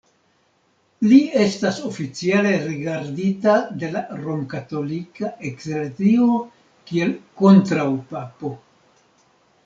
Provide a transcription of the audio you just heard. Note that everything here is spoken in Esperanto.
Li estas oficiale rigardita de la Romkatolika Eklezio kiel kontraŭpapo.